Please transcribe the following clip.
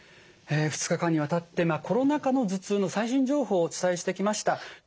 ２日間にわたってコロナ禍の頭痛の最新情報をお伝えしてきました。